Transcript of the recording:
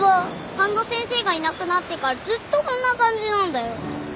半田先生がいなくなってからずっとこんな感じなんだよ。